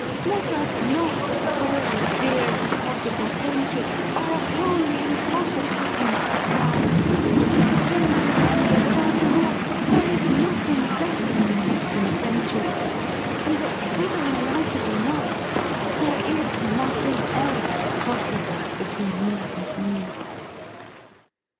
Let us not spoil a dear and possible friendship by a wholly impossible attempt at love. Do remember that, after all, there is nothing better in life than friendship, and that, whether we like it or not, there is nothing else possible between you and me.'